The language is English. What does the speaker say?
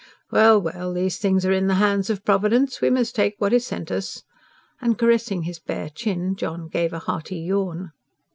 "Well, well! these things are in the hands of Providence; we must take what is sent us." And caressing his bare chin John gave a hearty yawn.